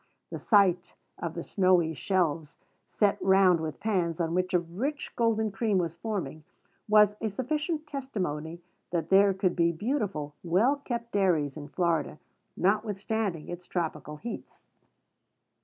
The sight of the snowy shelves set round with pans, on which a rich golden cream was forming, was a sufficient testimony that there could be beautiful, well kept dairies in Florida, notwithstanding its tropical heats.